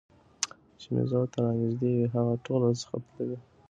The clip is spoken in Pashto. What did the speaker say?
چي مي زړه ته رانیژدې وي هغه ټول راڅخه تللي